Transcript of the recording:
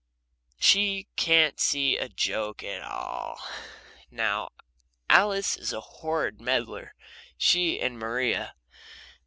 She can't see a joke at all. Now Alice is a horrid meddler she and Maria.